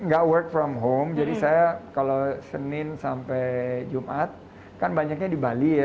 gak work from home jadi saya kalau senin sampai jumat kan banyaknya di bali ya